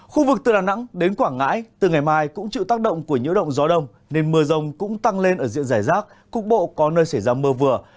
khu vực từ đà nẵng đến quảng ngãi từ ngày mai cũng chịu tác động của nhiễu động gió đông nên mưa rông cũng tăng lên ở diện giải rác cục bộ có nơi xảy ra mưa vừa